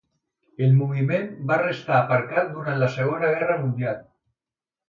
El moviment va restar aparcat durant la Segona Guerra mundial.